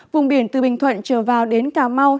vùng biển từ bình thuận trở vào đến cà mau